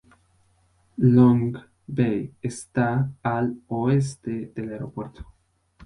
Long Bay está al oeste del aeropuerto.